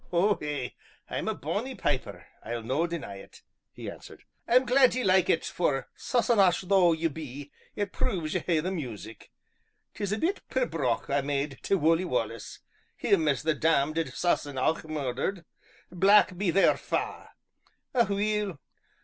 "Ou ay, I'm a bonnie piper, I'll no deny it!" he answered. "I'm glad ye like it, for, Sassenach though ye be, it proves ye hae the music. 'Tis a bit pibroch I made tae Wullie Wallace him as the damned Sassenach murdered black be their fa'. Aweel!